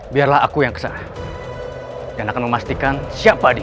biarlah aku yang kesah dan akan memastikan siapa dia